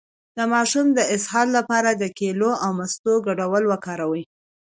د ماشوم د اسهال لپاره د کیلې او مستو ګډول وکاروئ